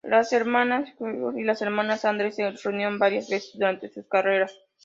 Las hermanas McGuire y las hermanas Andrews se reunieron varias veces durante sus carreras.